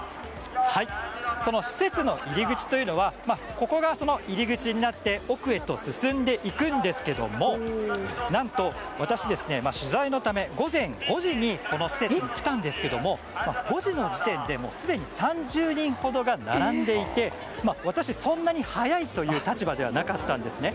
ここが施設の入り口ですが奥へと進んでいくんですけども何と私、取材のため、午前５時にこの施設に来たんですが５時の時点ですでに３０人ほどが並んでいて私たち、そんなに早いという立場ではなかったんですね。